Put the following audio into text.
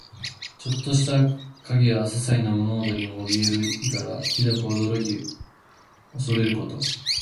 ちょっとした影やささいな物音にもおびえる意から、ひどく驚き怖れること。